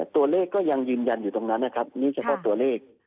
ก็ยังยืนยันอยู่ตรงนั้นนะครับนี่เฉพาะตัวเลข